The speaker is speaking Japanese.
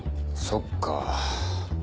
そっかぁ。